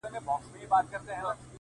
غواړمه چي دواړي سترگي ورکړمه _